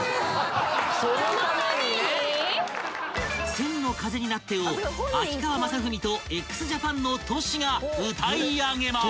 ［『千の風になって』を秋川雅史とＸＪＡＰＡＮのＴｏｓｈｌが歌い上げます］